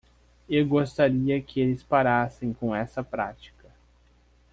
Eu gostaria que eles parassem com essa prática.